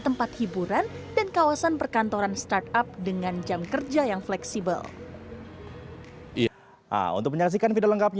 tempat hiburan dan kawasan perkantoran startup dengan jam kerja yang fleksibel